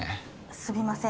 すみません